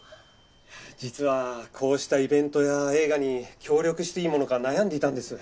実はこうしたイベントや映画に協力していいものか悩んでいたんです。